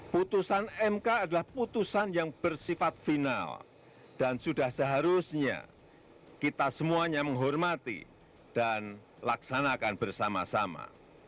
putusan mk adalah putusan yang bersifat final dan sudah seharusnya kita semuanya menghormati dan laksanakan bersama sama